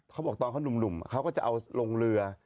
เขาบอกตอนเขาหนุ่มเขาก็จะเอาลงเรือ